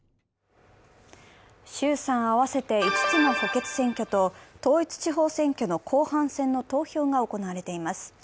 衆参合わせて５つの補欠選挙と統一地方選の後半戦の投票が行われています。